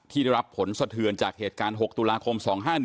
ได้รับผลสะเทือนจากเหตุการณ์๖ตุลาคม๒๕๑